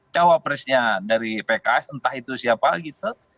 cawapresnya dari pks entah itu siapa gitu